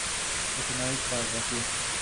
Escenarios para el vacío.